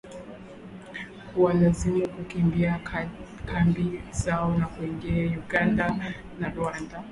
kuwalazimu kukimbia kambi zao na kuingia Uganda na Rwanda